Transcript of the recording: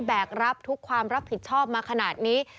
แกกรับทุกความรับผิดชอบมาขนาดนี้